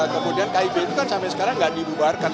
kemudian kib itu kan sampai sekarang nggak dibubarkan